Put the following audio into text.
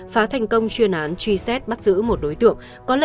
phá thành công chuyên án truy xét bắt giữ một đối tượng